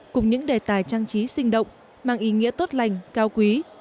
cùng những đề tài trang trí sinh động mang ý nghĩa tốt lành cao quý